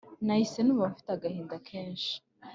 nahise numva mfite agahinda kenshi